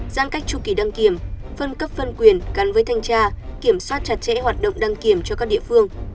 giãn cách tru kỳ đăng kiểm phân cấp phân quyền gắn với thanh tra kiểm soát chặt chẽ hoạt động đăng kiểm cho các địa phương